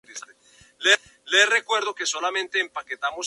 Sin embargo, finalmente fue elegida una canción diferente, "Negara Ku".